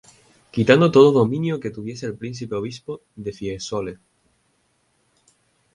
Quitando todo dominio que tuviese el príncipe obispo de Fiesole.